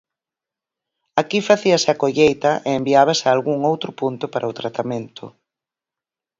Aquí facíase a colleita e enviábase a algún outro punto para o tratamento.